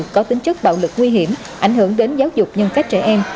có tính chất bạo lực nguy hiểm ảnh hưởng đến giáo dục nhân cách trẻ em